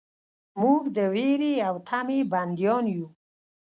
موږ د ویرې او طمعې بندیان یو.